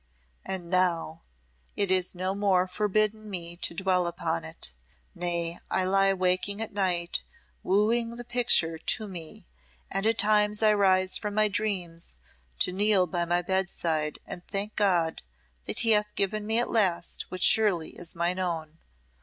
And now it is no more forbidden me to dwell upon it nay, I lie waking at night, wooing the picture to me, and at times I rise from my dreams to kneel by my bedside and thank God that He hath given me at last what surely is my own!